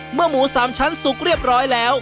เมื่อหมูสามชั้นสุกเรียบร้อยแล้ว